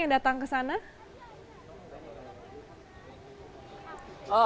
yang datang ke sana